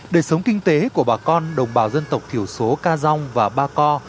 đời sống kinh tế của bà con đồng bào dân tộc thiểu số ca rong và ba co